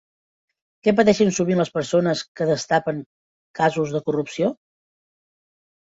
Què pateixen sovint les persones que destapen casos de corrupció?